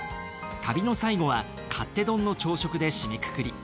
旅の最後は勝手丼の朝食で締めくくり。